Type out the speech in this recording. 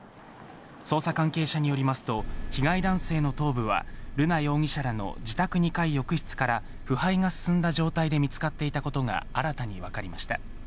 捜査関係者によりますと、被害男性の頭部は、瑠奈容疑者らの自宅２階浴室から腐敗が進んだ状態で見つかっていたことが新たに分かりました。